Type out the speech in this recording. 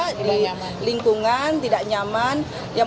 saya mulai dari gereja yang berpikir kurang dalam keputusan bisa match dengan namanya